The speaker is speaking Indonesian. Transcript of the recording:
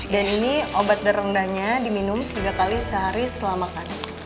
dan ini obat derondanya di minum tiga kali sehari setelah makan